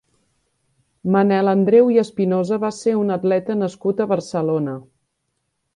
Manel Andreu i Espinosa va ser un atleta nascut a Barcelona.